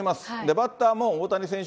バッターも大谷選手